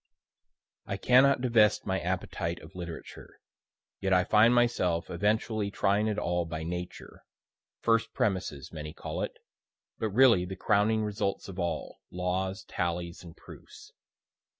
I cannot divest my appetite of literature, yet I find myself eventually trying it all by Nature first premises many call it, but really the crowning results of all, laws, tallies and proofs.